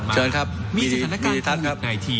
เชิญครับบิบิบิทัศน์ครับ